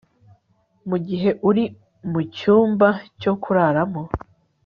Mugihe uri mucyumba cyo kuraramo